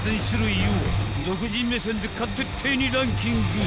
［独自目線で勝手ってにランキング］